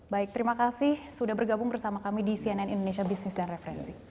baik terima kasih sudah bergabung bersama kami di cnn indonesia business dan referensi